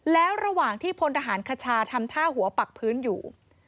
แล้วระหว่างที่พลทหารคชาทำท่าหัวปักพื้นอยู่